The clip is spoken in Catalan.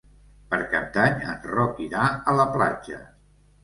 Per Cap d'Any en Roc irà a la platja.